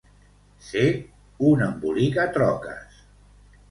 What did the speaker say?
Ser un embolicatroques.